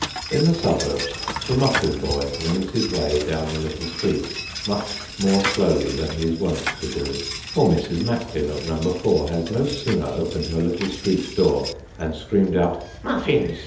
In the suburbs, the muffin boy rings his way down the little street, much more slowly than he is wont to do ; for Mrs. Macklin, of No. 4, has no sooner opened her little street door, and screamed out " Muffins